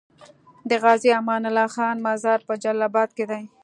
د غازي امان الله خان مزار په جلال اباد کی دی